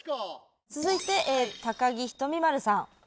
続いて高木ひとみ○さん。